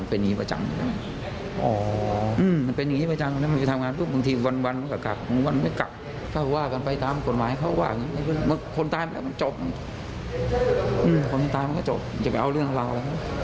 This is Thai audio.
เอ้อพี่พี่ตายมันก็จบอย่าไปเอาเรื่องราวแล้วนะ